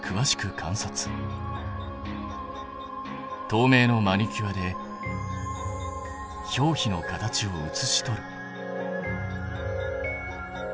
とうめいのマニキュアで表皮の形を写し取る。